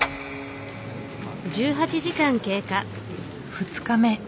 ２日目。